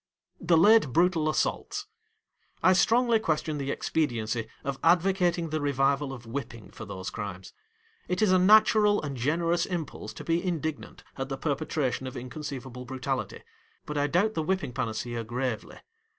The late brutal assaults. I strongly question the expediency of advocating the revival of whipping for those crimes. It is a natural and generous impulse to be indignant at the perpetration of inconceivable brutality, but I doubt the whipping panacea gravely.